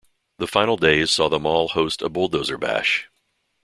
The final days saw the mall host a Bulldozer Bash.